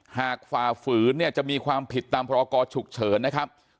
หากฝ่าฝือจะมีความผิดตามภกฉุกเฉินนะครับ